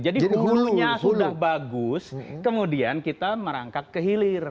jadi hulunya sudah bagus kemudian kita merangkak ke hilir